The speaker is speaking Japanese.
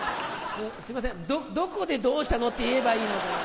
すいませんどこで「どうしたの？」って言えばいいのかが。